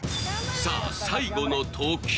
さあ、最後の投球。